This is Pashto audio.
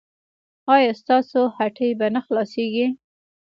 ایا ستاسو هټۍ به نه خلاصیږي؟